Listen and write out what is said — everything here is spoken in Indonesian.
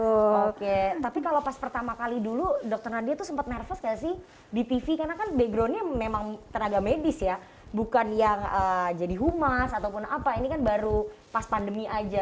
oke tapi kalau pas pertama kali dulu dokter nadia tuh sempat nervous gak sih di tv karena kan backgroundnya memang tenaga medis ya bukan yang jadi humas ataupun apa ini kan baru pas pandemi aja